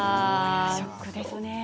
ショックですね。